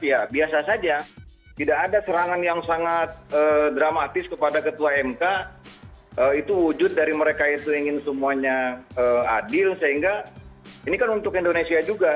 ya biasa saja tidak ada serangan yang sangat dramatis kepada ketua mk itu wujud dari mereka itu ingin semuanya adil sehingga ini kan untuk indonesia juga